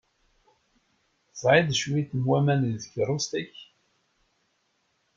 Tesɛiḍ cwiṭ n waman deg tkeṛṛust-ik?